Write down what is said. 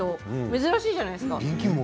珍しいじゃないですか。